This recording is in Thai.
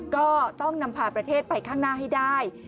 ก็ต้องนำพาประเทศไปข้างหน้าให้ได้